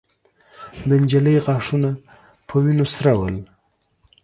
د نجلۍ غاښونه په وينو سره ول.